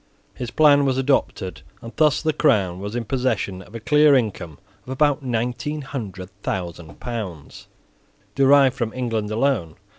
His plan was adopted; and thus the Crown was in possession of a clear income of about nineteen hundred thousand pounds, derived from England alone.